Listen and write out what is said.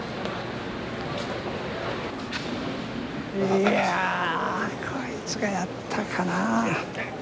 いやこいつがやったんかな。